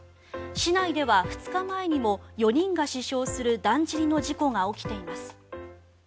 市内では２日前にも４人が死傷するだんじりの事故が起きています。